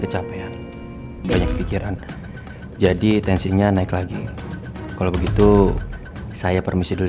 kecapean banyak pikiran jadi tensinya naik lagi kalau begitu saya permisi dulu